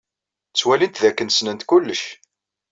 Ttwalint dakken ssnent kullec.